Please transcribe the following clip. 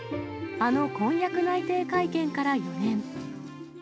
あの婚約内定会見から４年。